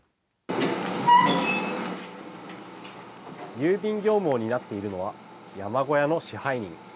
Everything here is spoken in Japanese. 郵便業務を担っているのは、山小屋の支配人。